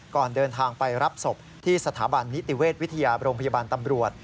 ก่อนเดินทางไปรับศพที่สถาบันนิติเวชวิทยาโรงพยาบาลตำรวจ